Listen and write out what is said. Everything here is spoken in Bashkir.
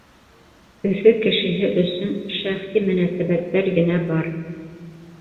Өфө кешеһе өсөн шәхси мөнәсәбәттәр генә бар.